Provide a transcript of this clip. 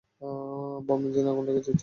বাম ইঞ্জিনে আগুন লেগে গেছে!